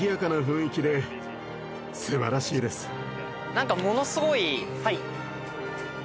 何かものすごい。